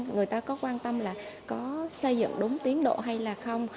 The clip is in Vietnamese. người ta có quan tâm là có xây dựng đúng tiến độ hay là không